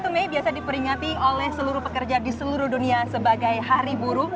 satu mei biasa diperingati oleh seluruh pekerja di seluruh dunia sebagai hari buruh